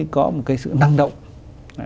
có một cái sự năng động